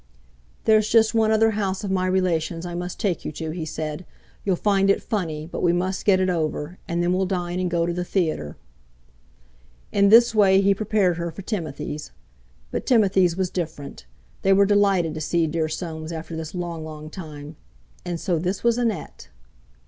"There's just one other house of my relations I must take you to," he said; "you'll find it funny, but we must get it over; and then we'll dine and go to the theatre." In this way he prepared her for Timothy's. But Timothy's was different. They were delighted to see dear Soames after this long long time; and so this was Annette!